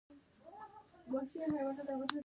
تیمورشاه د تهدید په مقابل کې موثر ګام پورته کړ.